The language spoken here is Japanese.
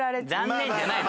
残念じゃないの。